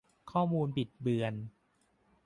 ข้อมูลบิดเบือน